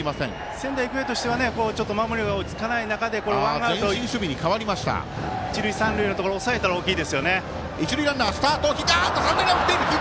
仙台育英としてはちょっと守りが落ち着かない中でワンアウト、一塁三塁で抑えたら大きいですよね。